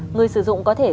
người sử dụng có thể xử lý